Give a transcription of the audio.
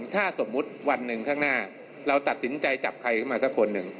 ถ้าสมมุติวันหนึ่งข้างหน้าเราตัดสินใจจับใครขึ้นมาสักคนหนึ่ง